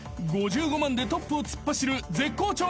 ［５５万でトップを突っ走る絶好調の紗理奈］